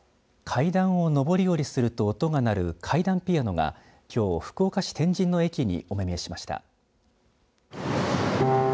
階段を上り下りすると音が鳴る階段ピアノがきょう福岡市天神の駅にお目見えしました。